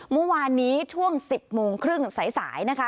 เมื่อวานนี้ช่วง๑๐โมงครึ่งสายนะคะ